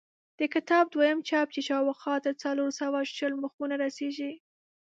د کتاب دویم چاپ چې شاوخوا تر څلور سوه شل مخونو رسېږي.